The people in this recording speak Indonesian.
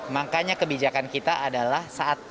makanya kebijakan kita adalah